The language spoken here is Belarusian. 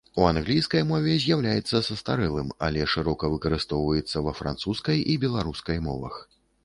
У англійскай мове з'яўляецца састарэлым, але шырока выкарыстоўваецца ва французскай і беларускай мовах.